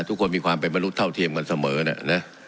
ทุกคนมีความเป็นมนุษย์เท่าเทียมกันเสมอนะนะ